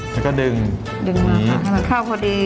แล้วก็ดึงดึงมาค่ะให้มันเข้าพอดี